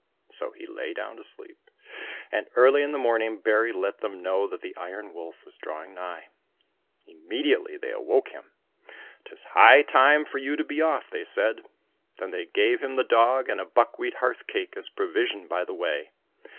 So he lay down to sleep, and early in the morning Bary let them know that the Iron Wolf was drawing nigh. Immediately they awoke him. " 'Tis ^ Heavysides. 162 THE IRON WOLF high time for you to be off !" said they. Then they gave him the dog, and a buckwheat hearth cake as provision by the way.